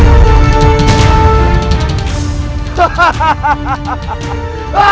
apa kamu merasakan jurusku